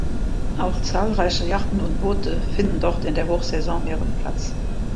Auch zahlreiche Jachten und Boote finden dort in der Hochsaison ihren Platz.